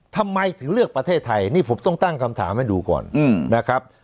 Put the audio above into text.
ทำไมถึงเลือกประเทศไทยนี่ผมต้องตั้งคำถามให้ดูก่อนนะครับ